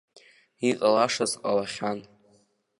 Иҟалашаз ҟалахьан.